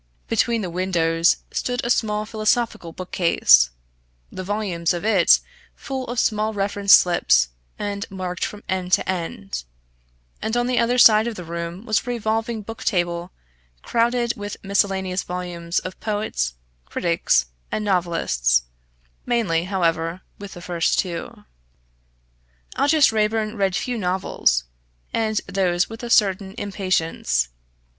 Between the windows stood a small philosophical bookcase, the volumes of it full of small reference slips, and marked from end to end; and on the other side of the room was a revolving book table crowded with miscellaneous volumes of poets, critics, and novelists mainly, however, with the first two. Aldous Raeburn read few novels, and those with a certain impatience.